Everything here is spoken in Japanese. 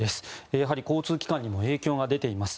やはり交通機関にも影響が出ています。